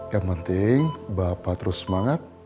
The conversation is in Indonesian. yang penting bapak terus semangat